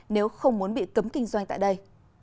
nếu không muốn bị cấm kinh doanh tại đây